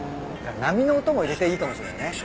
波の音も入れていいかもしれないね。